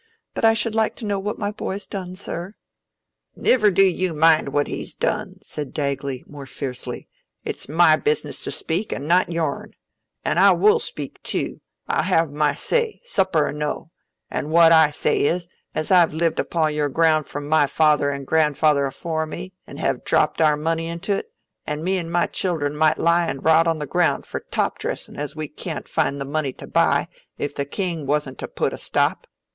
But I should like to know what my boy's done, sir." "Niver do you mind what he's done," said Dagley, more fiercely, "it's my business to speak, an' not yourn. An' I wull speak, too. I'll hev my say—supper or no. An' what I say is, as I've lived upo' your ground from my father and grandfather afore me, an' hev dropped our money into't, an' me an' my children might lie an' rot on the ground for top dressin' as we can't find the money to buy, if the King wasn't to put a stop."